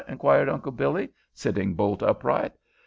inquired Uncle Billy, sitting bolt upright.